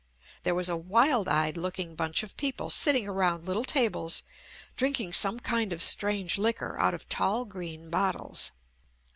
There was a wild eyed look ing bunch of people sitting around little tables drinking some kind of strange liquor out of tall green bottles.